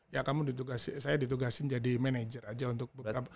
ya kamu saya ditugasin jadi manajer aja untuk